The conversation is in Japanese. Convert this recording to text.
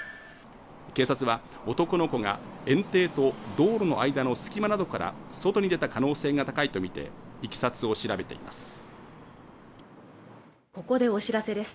警察は男の子が園庭と道路の間の隙間などから外に出た可能性が高いと見ていきさつを調べています